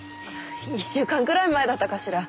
１週間くらい前だったかしら。